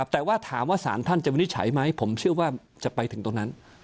แต่ว่าถามว่าสารท่านจะวินิจฉัยไหมผมเชื่อว่าจะไปถึงตรงนั้น